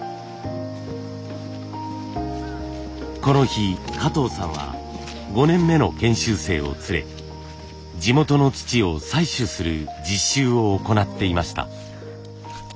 この日加藤さんは５年目の研修生を連れ地元の土を採取する実習を行っていました。